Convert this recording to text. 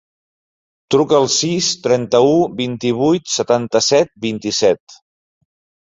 Truca al sis, trenta-u, vint-i-vuit, setanta-set, vint-i-set.